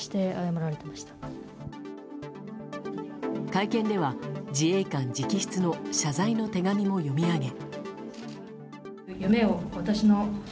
会見では、自衛官直筆の謝罪の手紙も読み上げ。